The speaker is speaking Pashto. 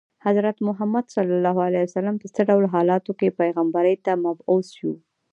حضرت محمد په څه ډول حالاتو کې پیغمبرۍ ته مبعوث شو.